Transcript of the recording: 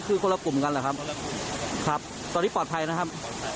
คือคนละกลุ่มกันแหละครับครับตอนนี้ปลอดภัยนะครับ